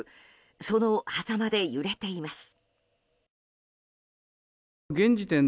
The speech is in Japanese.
そのはざまで揺れています。